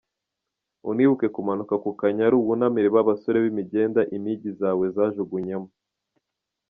Unibuke kumanuka ku Kanyaru wunamire ba basore b’imigenda impigi za we zajugunyemo.